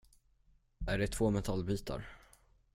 Är det två metallbitar?